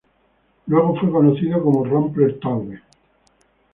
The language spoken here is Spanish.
Luego fue conocido como Rumpler-Taube.